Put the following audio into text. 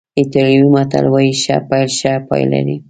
ایټالوي متل وایي ښه پیل ښه پای لري.